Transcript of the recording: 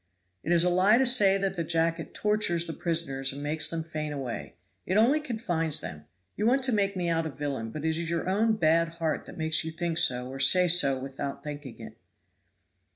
"It is a lie to say that the jacket tortures the prisoners and makes them faint away; it only confines them. You want to make me out a villain, but it is your own bad heart that makes you think so or say so without thinking it."